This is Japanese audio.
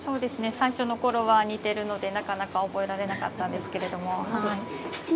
最初のころは似ているのでなかなか覚えられなかったんですけど。